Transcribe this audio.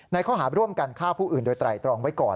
ข้อหาร่วมกันฆ่าผู้อื่นโดยไตรตรองไว้ก่อน